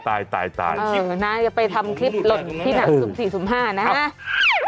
เออน้างจะไปทำคลิปหล่นที่หนัง๐๐๔๕นะฮะ